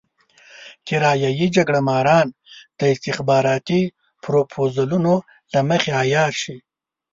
کرايه يي جګړه ماران د استخباراتي پروپوزلونو له مخې عيار شي.